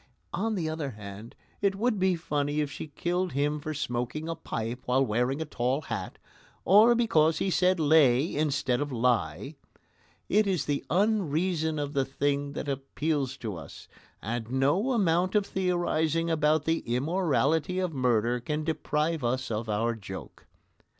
On the other hand, it would be funny if she killed him for smoking a pipe while wearing a tall hat, or because he said "lay" instead of "lie." It is the unreason of the thing that appeals to us, and no amount of theorising about the immorality of murder can deprive us of our joke.